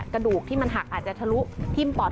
กระดูกที่มันหักอาจจะทะลุทิ้มปอด